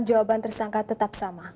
jawaban tersangka tetap sama